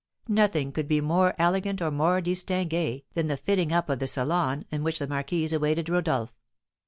Nothing could be more elegant or more distingué than the fitting up of the salon in which the marquise awaited Rodolph.